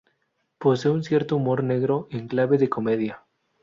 Posee un cierto humor negro en clave de comedia.